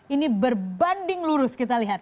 ini berbanding lurus kita lihat